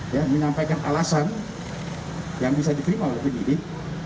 dia menampakan alasan yang bisa diperima oleh penyidik